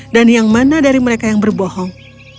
dan yang mana dari mereka yang berbohong